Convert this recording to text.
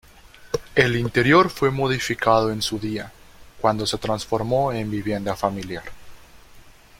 El interior fue modificado en su día, cuando se transformó en vivienda familiar.